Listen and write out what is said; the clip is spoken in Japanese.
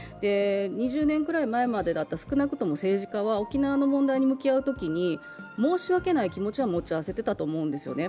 ２０年くらい前までは少なくとも政治家は沖縄の問題に向き合うときに申し訳ない気持ちは持ち合わせていたと思うんですね。